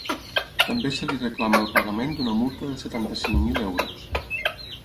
També se li reclama el pagament d’una multa de setanta-cinc mil euros.